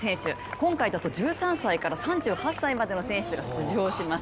今回だと１３歳から３８歳までの選手が出場します。